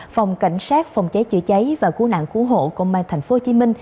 phòng cảnh sát phòng cháy chữa cháy và cứu nạn cứu hộ công an tp hcm